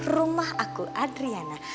rumah aku adriana